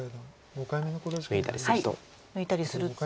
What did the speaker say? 抜いたりすると。